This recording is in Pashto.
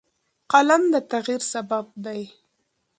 قلم د تغیر سبب دی